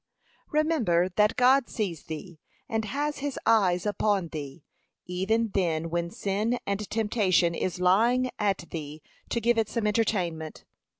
Remember that God sees thee, and has his eyes open upon thee, even then when sin and temptation is lying at thee to give it some entertainment.